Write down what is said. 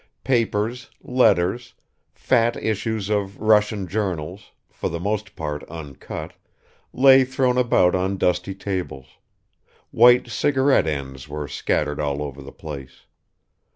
Papers, letters, fat issues of Russian journals, for the most part uncut, lay thrown about on dusty tables; white cigarette ends were scattered all over the place.